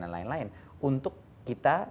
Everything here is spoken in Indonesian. dan lain lain untuk kita